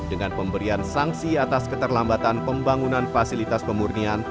dengan pemberian sanksi atas keterlambatan pembangunan fasilitas pemurnian